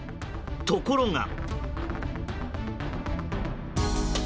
ところが。